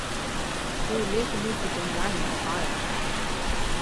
They would later move to Dungannon, Ohio.